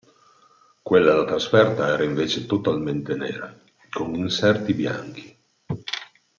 Quella da trasferta era invece totalmente nera, con inserti bianchi.